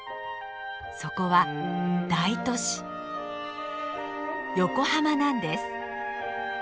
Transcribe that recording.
そこは大都市横浜なんです！